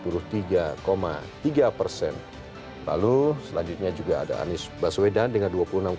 lalu selanjutnya juga ada anies baswedan dengan dua puluh enam persen